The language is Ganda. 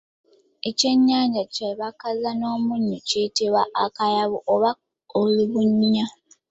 Ekyennyanja kye bakaza n’omunnyo kiyitibwa akayabu oba olubunya.